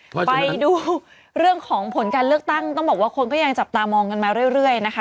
ไปดูเรื่องของผลการเลือกตั้งต้องบอกว่าคนก็ยังจับตามองกันมาเรื่อยเรื่อยนะคะ